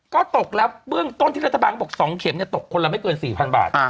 ก็ตกแล้วเบื้องต้นที่รัฐบาลก็บอก๒เข็มตกคนละไม่เกิน๔๐๐บาท